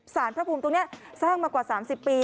สารพระภูมิตรงนี้สร้างมากว่า๓๐ปี